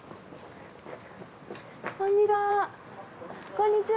こんにちは。